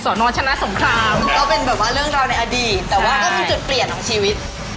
แต่ก็เป็นจุดเปลี่ยนของชีวิต